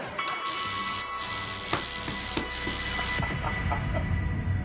ハハハハ。